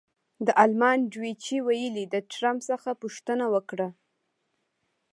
د المان ډویچې وېلې د ټرمپ څخه پوښتنه وکړه.